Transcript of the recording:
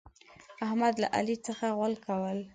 احمد له علي څخه غول کول.